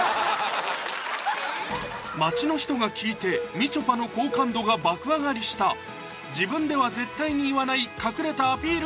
街の人が聞いてみちょぱの好感度が爆上がりした自分では絶対に言わない隠れたアピール